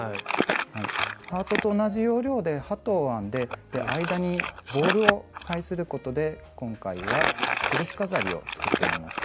ハートと同じ要領で鳩を編んで間にボールを配することで今回はつるし飾りを作ってみました。